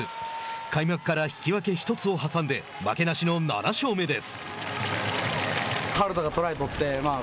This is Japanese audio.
開幕から引き分け１つを挟んで負けなしの７勝目です。